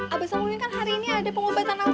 abang sama umi kan hari ini ada pengobatan alternatif